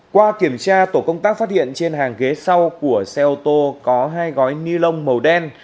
qua kiểm tra tổ công tác phát hiện trên hàng ghế sau của xe ô tô có hai gói ni lông màu đen